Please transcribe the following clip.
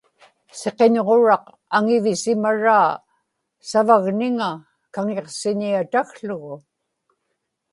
siqiñġuraq aŋivisimaraa savagniŋa kaŋiqsiñiatakługu